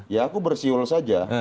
ya aku bersiul saja